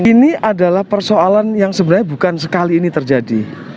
ini adalah persoalan yang sebenarnya bukan sekali ini terjadi